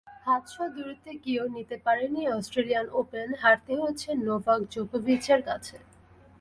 হাতছোঁয়া দূরত্বে গিয়েও নিতে পারেননি অস্ট্রেলিয়ান ওপেন, হারতে হয়েছে নোভাক জোকোভিচের কাছে।